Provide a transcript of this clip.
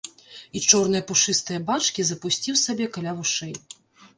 І чорныя пушыстыя бачкі запусціў сабе каля вушэй.